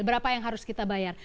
berapa yang harus kita bayar